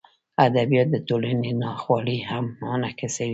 ادبیات د ټولنې ناخوالې هم منعکسوي.